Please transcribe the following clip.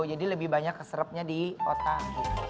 jadi lebih banyak keserapnya di otak